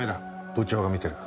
部長が見てる。